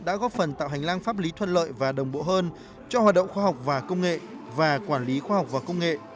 đã góp phần tạo hành lang pháp lý thuận lợi và đồng bộ hơn cho hoạt động khoa học và công nghệ và quản lý khoa học và công nghệ